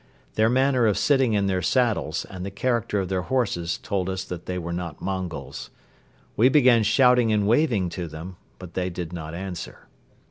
Their manner of sitting in their saddles and the character of their horses told us that they were not Mongols. We began shouting and waving to them; but they did not answer.